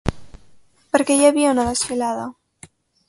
Per què hi havia una desfilada?